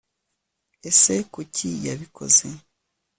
ese kuki yabikoze